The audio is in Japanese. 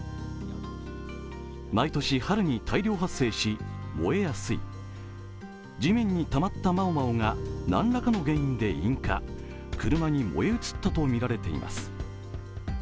毎年春に大量発生し燃えやすい地面にたまった毛毛が何らかの原因で引火、車に燃え移ったとみられています。